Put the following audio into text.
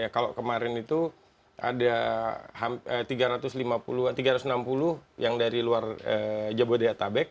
kalau kemarin itu ada tiga ratus enam puluh yang dari luar jabodetabek